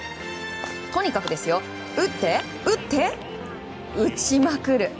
とにかく打って、打って、打ちまくる！